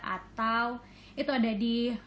atau itu ada di